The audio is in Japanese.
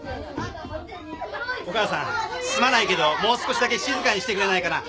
お母さんすまないけどもう少しだけ静かにしてくれないかな。